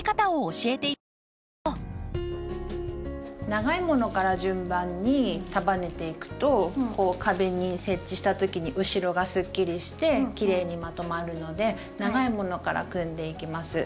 長いものから順番に束ねていくとこう壁に設置した時に後ろがすっきりしてきれいにまとまるので長いものから組んでいきます。